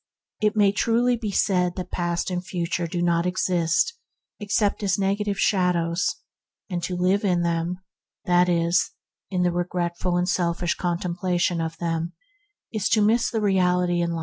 It may truly be said that past and future do not exist except as negative shadows, and to live in them — that is, in regretful and selfish con templation or expectation of them — is to miss the reality in life.